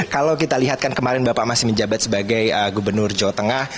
kalau kita lihat kan kemarin bapak masih menjabat sebagai gubernur jawa tengah